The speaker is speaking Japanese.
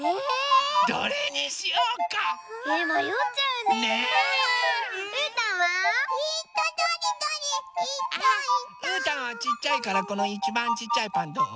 うーたんはちっちゃいからこのいちばんちっちゃいパンどう？